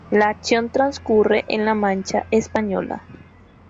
La acción trascurre en La Mancha española.